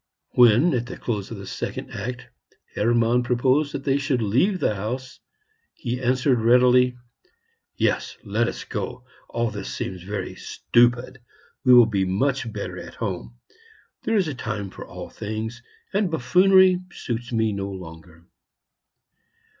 When, at the close of the second act, Hermann proposed that they should leave the house, he answered readily: "Yes, let us go; all this seems very stupid we will be much better at home. There is a time for all things, and buffoonery suits me no longer."